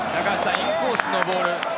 インコースのボール。